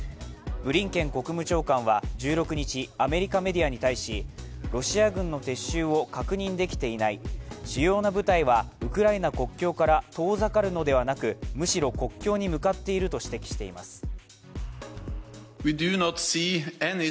ブリンケン国務長官は１６日アメリカメディアに対しロシア軍の撤収を確認できていない、主要な部隊はウクライナ国境から遠ざかるのではなくむしろ国境に向かっていると指摘しています。